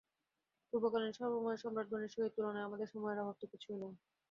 পূর্বকালীন সর্বময় সম্রাটগণের সহিত তুলনায় আমাদের সময়ের অভাব তো কিছুই নয়।